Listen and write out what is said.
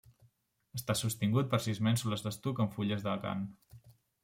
Està sostingut per sis mènsules d'estuc amb fulles d'acant.